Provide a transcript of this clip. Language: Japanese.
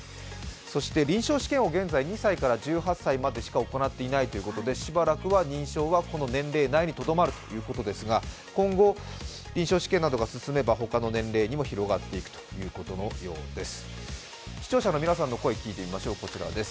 そして臨床試験を現在２歳から１８歳までしか行ってないということでしばらくは認証はこの年齢内にとどまるということですが今後、臨床試験などがひろがればほかの年齢にも広がっていくということです。